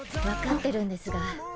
分かってるんですが。